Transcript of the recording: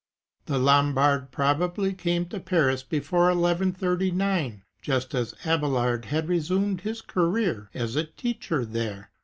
The Lombard probably came to Paris before 11 39, just as Abelard had resumed his career as a teacher there.